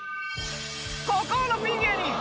孤高のピン芸人